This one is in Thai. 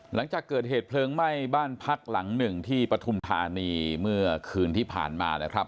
หลังจากเกิดเหตุเพลิงไหม้บ้านพักหลังหนึ่งที่ปฐุมธานีเมื่อคืนที่ผ่านมานะครับ